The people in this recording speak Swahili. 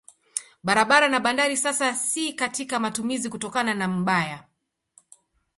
Barabara na bandari sasa si katika matumizi kutokana na mbaya.